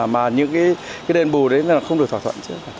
mà những cái đền bù đấy là không được thỏa thuận chứ